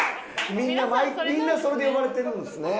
みんなみんなそれで呼ばれてるんですね。